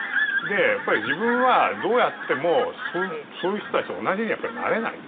やっぱり自分はどうやってもそういう人たちと同じにはやっぱりなれない。